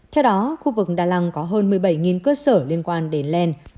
theo đó khu vực đà lạt có hơn một mươi bảy cơ sở liên quan đến len